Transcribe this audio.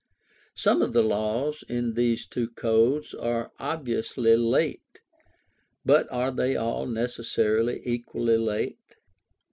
Some of the laws in these two codes are obviously late; but are they all necessarily equally late